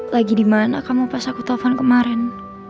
lagi dimana kamu pas aku telfon kemarin